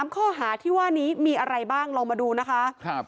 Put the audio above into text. ข้อหาที่ว่านี้มีอะไรบ้างลองมาดูนะคะ